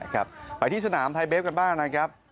ครับไปที่สนามไทยเบฟกันบ้างนะครับ